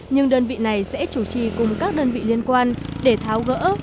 nhưng đơn vị này sẽ chủ trì cùng các đơn vị liên quan để tháo gỡ